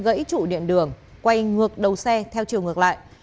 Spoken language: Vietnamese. gãy trụ điện đường quay ngược đầu xe theo chiều ngược lại